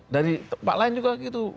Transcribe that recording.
dari tempat lain juga gitu